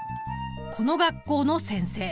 この学校の先生！